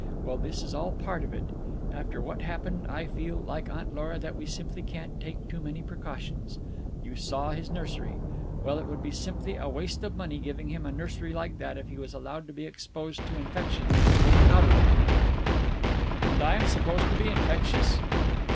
Well, this is all part of it. After what happened I feel, like Aunt Lora, that we simply can't take too many precautions. You saw his nursery. Well, it would be simply a waste of money giving him a nursery like that if he was allowed to be exposed to infection when he was out of it." "And I am supposed to be infectious?"